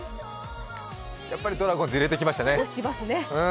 やっぱりドラゴンズ入れてきましたね。